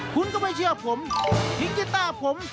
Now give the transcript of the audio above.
คุณก็ไม่เชื่อผมผิดกีต้าผม